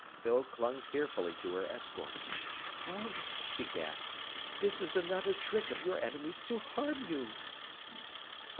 Phyl clung fearfully to her escort. "Tom!" she gasped. "This is another trick of your enemy's to harm you!"